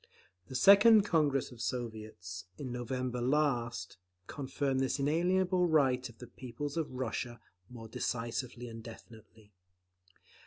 The second Congress of Soviets, in November last, confirmed this inalienable right of the peoples of Russia more decisively and definitely.